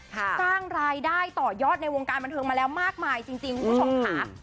สร้างรายได้ต่อยอดในวงการบันเทิงมาแล้วมากมายจริงคุณผู้ชมค่ะ